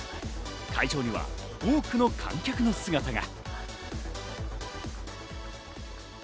会場には多くの観客の姿が。